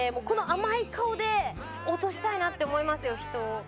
この甘い顔で落としたいなって思いますよ人を。